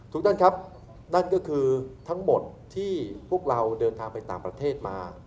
ทุกท่านครับนั่นก็คือทั้งหมดที่พวกเราเดินทางไปต่างประเทศมา